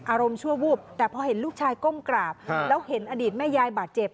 ชั่ววูบแต่พอเห็นลูกชายก้มกราบแล้วเห็นอดีตแม่ยายบาดเจ็บ